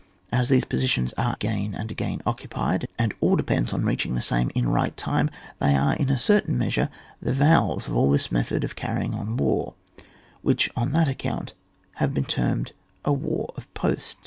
As these posi tions are again and again occupied, and all depends on reaching the same in right time, they are in a certain measure the vowels of all this method of carrying on war, which on that account has been termed a war ofposU.